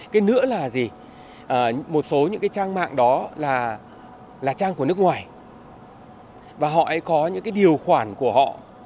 cái nữa là gì một số những cái trang mạng đó là trang của nước ngoài và họ có những cái điều khoản của họ